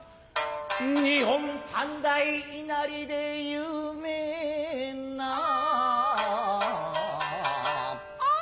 日本三大稲荷で有名なハァ！アァ！